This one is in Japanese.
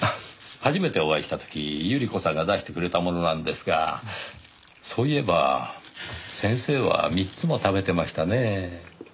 初めてお会いした時友里子さんが出してくれたものなんですがそういえば先生は３つも食べてましたね。